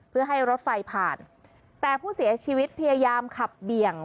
เพื่อให้รถไฟผ่านแต่ผู้เสียชีวิตพยายามขับเบี่ยง